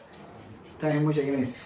大変申し訳ないっす。